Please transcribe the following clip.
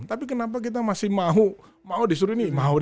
tapi kenapa kita masih mau disuruh ini